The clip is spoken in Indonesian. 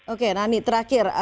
oke nani terakhir